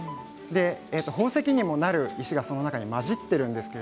宝石にもなる石がその中に混じっているんです。